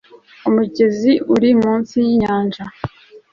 Umugezi uri munsi yinyanja